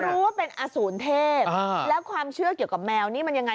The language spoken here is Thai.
รู้ว่าเป็นอสูรเทพแล้วความเชื่อเกี่ยวกับแมวนี่มันยังไง